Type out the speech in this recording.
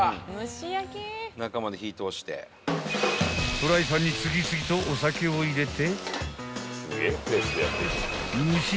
［フライパンに次々とお酒を入れて］